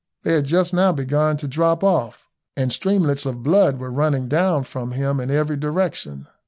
They had just now begun to drop off, and streamlets of blood were running down from him in every direction.